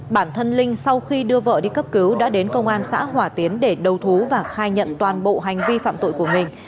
bản thân linh sau khi đưa vợ đi cấp cứu đã đến công an xã hòa tiến để đầu thú và khai nhận toàn bộ hành vi phạm tội của mình